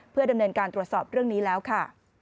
เพื่อดำเนินการตรวจสอบเรื่องนี้แล้วค่ะ